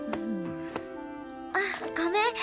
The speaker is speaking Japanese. あっごめん。